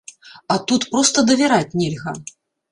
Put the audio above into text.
А тут проста давяраць нельга.